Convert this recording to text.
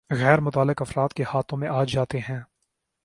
غیر متعلق افراد کے ہاتھوں میں آجاتے ہیں